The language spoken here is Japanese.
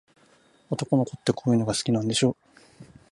男の子って、こういうの好きなんでしょ。